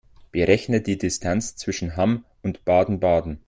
Berechne die Distanz zwischen Hamm und Baden-Baden